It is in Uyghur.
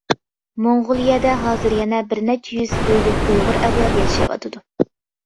موڭغۇلىيەدە ھازىر يەنە بىرنەچچە يۈز ئۆيلۈك ئۇيغۇر ئەۋلادى ياشاۋاتىدۇ.